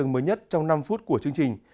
mới nhất trong năm phút của chương trình